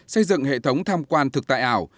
xây dựng hệ thống tham quan thực tại ảo